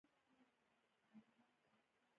د جاسوسانو جراثیم له زخم ژورو ریښو څخه منع کړي.